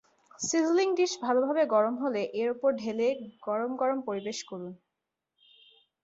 Sizzling dish ভালোভাবে গরম হলে এর ওপর ঢেলে গরমগরম পরিবেশন করুন।